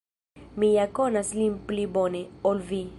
Mi ja konas lin pli bone, ol vi.